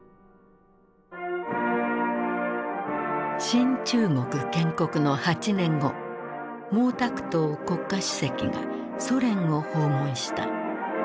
新中国建国の８年後毛沢東国家主席がソ連を訪問した。